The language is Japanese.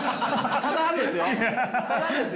ただですよ。